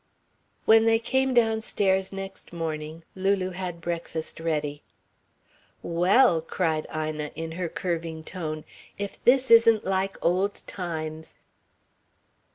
When they came downstairs next morning, Lulu had breakfast ready. "Well!" cried Ina in her curving tone, "if this isn't like old times."